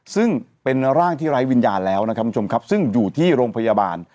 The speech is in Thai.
ซึ่งเป็นร่างที่ไร้วิญญาณแล้วนะครับคุณผู้ชมครับซึ่งอยู่ที่โรงพยาบาล